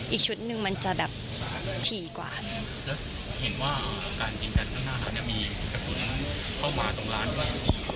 อีกชุดหนึ่งมันจะแบบถี่กว่าแล้วเห็นว่าการยิงกันข้างหน้าร้านเนี่ยมีกระสุนเข้ามาตรงร้านด้วย